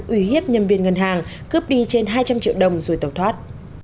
uy hiếp nhân viên ngân hàng cướp đi trên hai trăm linh triệu đồng rồi tẩu thoát